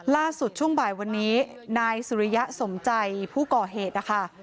ล่าสุดช่วงบ่ายวันนี้นายสุริยะสมจัยผู้เกาะเหตุนะคะ